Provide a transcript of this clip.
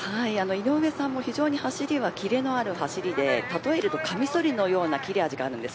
井上さんも非常に走りはきれのある走りで、例えるとカミソリのような切れ味があります。